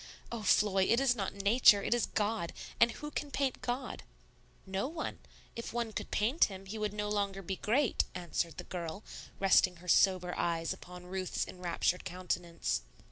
Oh, Floy, it is not Nature; it is God. And who can paint God?" "No one. If one could paint Him, He would no longer be great," answered the girl, resting her sober eyes upon Ruth's enraptured countenance.